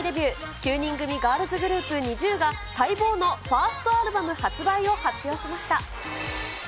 ９人組ガールズグループ、ＮｉｚｉＵが待望のファーストアルバム発売を発表しました。